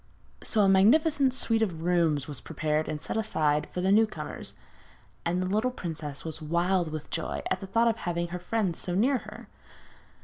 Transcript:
So a magnificent suite of rooms was prepared and set aside for the new comers, and the little princess was wild with joy at the thought of having her friends so near her.